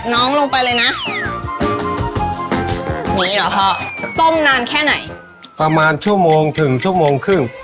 ลงไปเลยนะอย่างงี้เหรอพ่อต้มนานแค่ไหนประมาณชั่วโมงถึงชั่วโมงครึ่ง